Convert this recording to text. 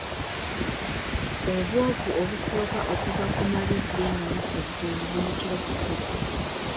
Obwovu obusooka okuva ku mabidde nga basogola buyitibwa kaseko.